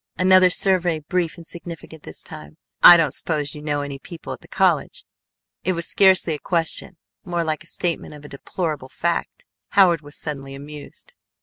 Another survey brief and significant this time. "I don't suppose you know any people at the college." It was scarcely a question, more like a statement of a deplorable fact. Howard was suddenly amused.